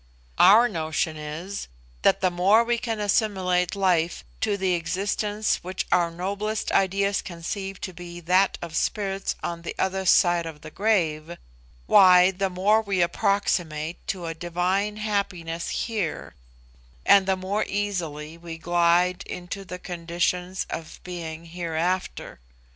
Our notion is, that the more we can assimilate life to the existence which our noblest ideas can conceive to be that of spirits on the other side of the grave, why, the more we approximate to a divine happiness here, and the more easily we glide into the conditions of being hereafter.